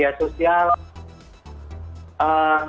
satu kelompok dengan kelompok yang lainnya itu